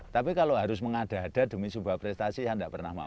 tapi kalau harus mengada ada demi sebuah prestasi yang tidak pernah mau